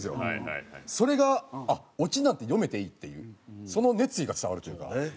それがオチなんて読めていいっていうその熱意が伝わるというか。